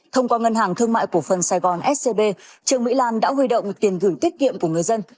thông qua ngân hàng thương mại cổ phần sài gòn scb trương mỹ lan đã huy động tiền gửi tiết kiệm của người dân